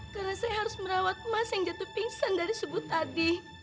karena saya harus merawat mas yang jatuh pingsan dari subuh tadi